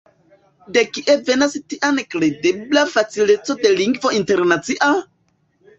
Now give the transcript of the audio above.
De kie venas tia nekredebla facileco de lingvo internacia?